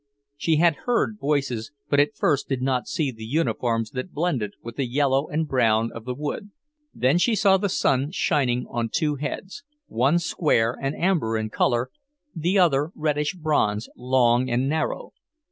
She had heard voices, but at first did not see the uniforms that blended with the yellow and brown of the wood. Then she saw the sun shining on two heads; one square, and amber in colour, the other reddish bronze, long and narrow.